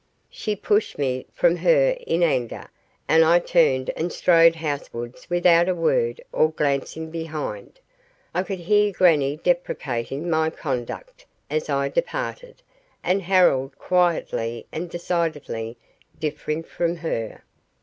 She pushed me from her in anger, and I turned and strode housewards without a word or glancing behind. I could hear grannie deprecating my conduct as I departed, and Harold quietly and decidedly differing from her.